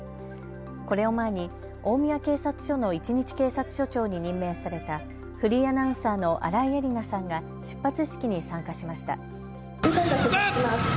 これを前に大宮警察署の一日警察署長に任命されたフリーアナウンサーの新井恵理那さんが出発式に参加しました。